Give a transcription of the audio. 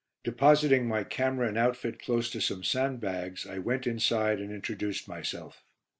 Depositing my camera and outfit close to some sandbags I went inside and introduced myself.